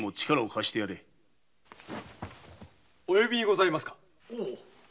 お呼びにございますか。